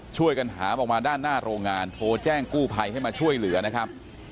ช่วยกันหามออกมาด้านหน้าโรงงานโทรแจ้งกู้ภัยให้มาช่วยเหลือนะครับ